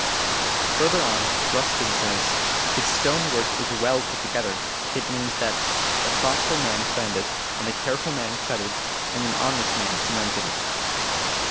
Further on Ruskin says: "If stone work is well put together, it means that a thoughtful man planned it, and a careful man cut it, and an honest man cemented it."